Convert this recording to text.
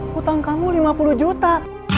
hutang kamu lima puluh juta